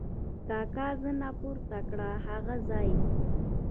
کاکا زنه پورته کړه: هغه ځای!